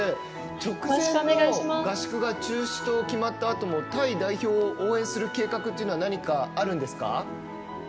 直前の合宿が中止と決まったあともタイ代表を応援する計画は何かあるんですか？